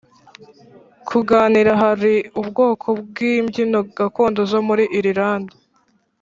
kuganira Hari ubwoko bw imbyino gakondo zo muri Irilande